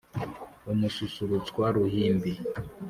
umususurutsa ruhimbiiii